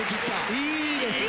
いいですね。